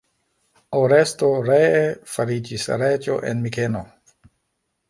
Oresto ree fariĝis reĝo en Mikeno.